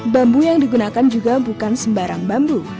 bambu yang digunakan juga bukan sembarang bambu